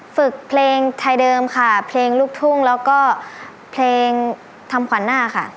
ฝึกเพลงไทยเดิมค่ะเพลงลูกทุ่งแล้วก็เพลงทำขวัญหน้าค่ะ